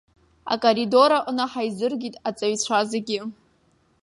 Акоридор аҟны ҳаизыргеит аҵаҩцәа зегьы.